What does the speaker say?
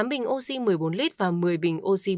tám bình oxy một mươi bốn lít và một mươi bình oxy bốn mươi lít